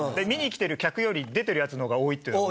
見にきてる客より出てるヤツの方が多い。